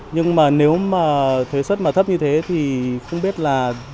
nhưng mà nếu mà thuế xuất mà thấp như thế thì không biết là